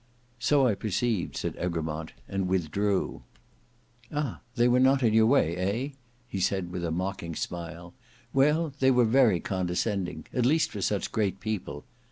"So I perceived," said Egremont, "and withdrew." "Ah! they were not in your way, eh?" he said in a mocking smile. "Well, they were very condescending—at least for such great people.